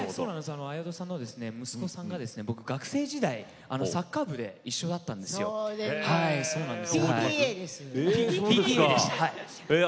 綾戸さんの息子さんが高校時代サッカー部で一緒だったＰＴＡです。